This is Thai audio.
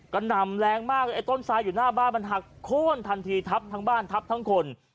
หนำแรงมากเลยไอ้ต้นทรายอยู่หน้าบ้านมันหักโค้นทันทีทับทั้งบ้านทับทั้งคน